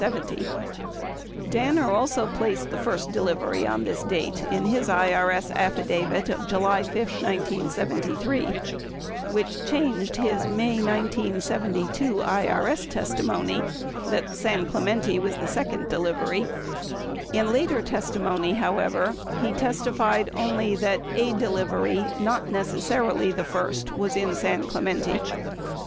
27 Danner also placed the first delivery on this date in his IRS affidavit of July 5, 1973, 28 which changed his May 1972 IRS testimony that San Clemente was the sec ond delivery. In later testimony, however, he testified only that, a deliv ery, not necessarily the first, was in San Clemente.